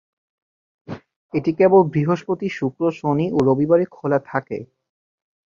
এটি কেবল বৃহস্পতি, শুক্র, শনি ও রবিবারে খোলা থাকে।